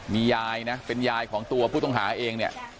มียายนะเป็นยายของตัวผู้ต้องหาเองเนี่ย